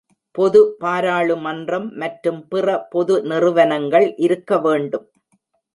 பொது பாராளுமன்றம் மற்றும் பிற பொது நிறுவனங்கள் இருக்க வேண்டும்.